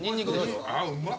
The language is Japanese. うまっ！